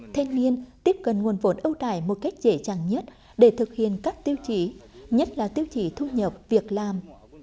thanh niên tiếp cận nguồn vốn ưu đại một cách dễ chẳng nhất để thực hiện các tiêu chí nhất là tiêu chỉ thu nhập việc làm